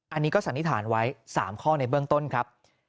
อันนี้ก็สันนิษฐานไว้๓ข้อในเบื้องต้นครับ